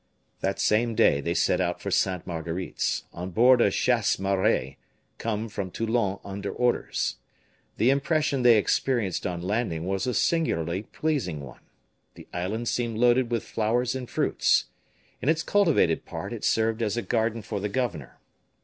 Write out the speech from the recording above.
That same day they set out for Sainte Marguerite's, on board a chasse maree come from Toulon under orders. The impression they experienced on landing was a singularly pleasing one. The island seemed loaded with flowers and fruits. In its cultivated part it served as a garden for the governor.